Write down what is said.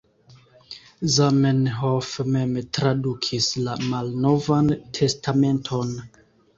Zamenhof mem tradukis la Malnovan Testamenton.